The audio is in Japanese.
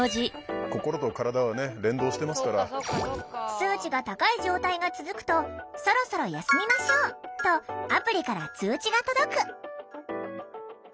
数値が高い状態が続くと「そろそろ休みましょう！」とアプリから通知が届く。